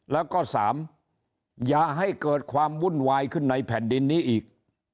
แล้วก็๓อย่าให้เกิดความวุ่นวายขึ้นในแผ่นดินนี้อีก